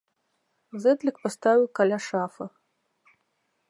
Зэдлік паставіў каля шафы.